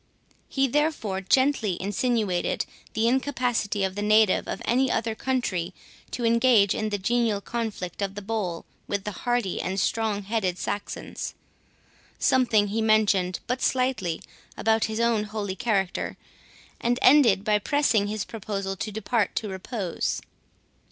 He therefore gently insinuated the incapacity of the native of any other country to engage in the genial conflict of the bowl with the hardy and strong headed Saxons; something he mentioned, but slightly, about his own holy character, and ended by pressing his proposal to depart to repose.